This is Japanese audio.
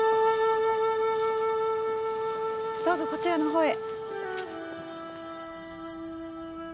どうぞこちらのほうへ。